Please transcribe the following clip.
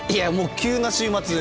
急な週末。